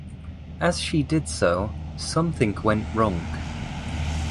As she did so, something went wrong.